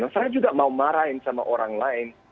saya juga mau marahin sama orang lain